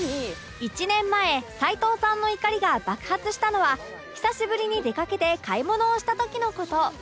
１年前齊藤さんの怒りが爆発したのは久しぶりに出かけて買い物をした時の事